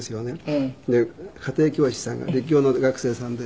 で家庭教師さんが立教の学生さんで。